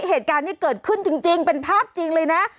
เหตุการณ์ที่เกิดขึ้นจริงเป็นภาพจริงเลยนะ